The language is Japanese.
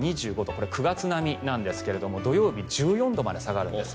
これは９月並みなんですが土曜日は１４度まで下がるんです。